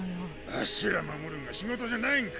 わしら守るんが仕事じゃないんか？